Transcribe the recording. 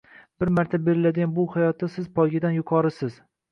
Bir marta beriladigan bu hayotda siz poygadan yuqorisiz